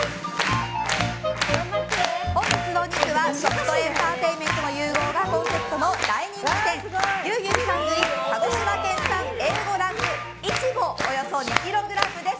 本日のお肉は、食とエンターテインメントの融合がコンセプトの大人気店牛牛さんより鹿児島県産Ａ５ランクイチボおよそ２ｋｇです。